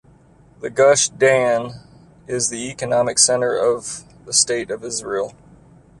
The Gush Dan is the economic center of the state of Israel.